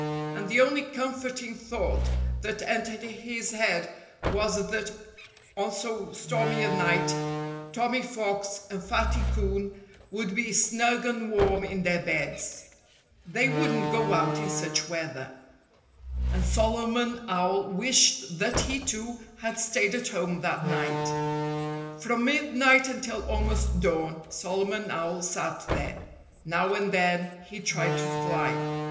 And the only comforting thought that entered his head was that on so stormy a night Tommy Fox and Fatty Coon would be snug and warm in their beds. They wouldn't go out in such weather. And Solomon Owl wished that he, too, had stayed at home that night. From midnight until almost dawn Solomon Owl sat there. Now and then he tried to fly.